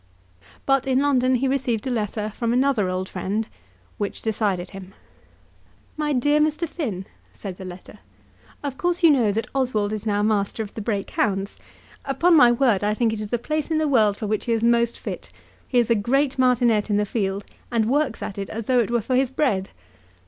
But in London he received a letter from another old friend, which decided him: "My dear Mr. Finn," said the letter, of course you know that Oswald is now master of the Brake hounds. Upon my word, I think it is the place in the world for which he is most fit. He is a great martinet in the field, and works at it as though it were for his bread.